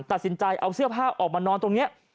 ตัดสินใจเอาเสื้อผ้าออกมานอนตรงนี้